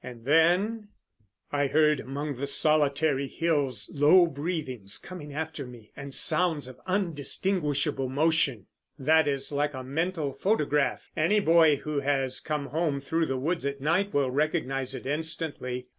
And then, I heard among the solitary hills Low breathings coming after me, and sounds Of undistinguishable motion. That is like a mental photograph. Any boy who has come home through the woods at night will recognize it instantly.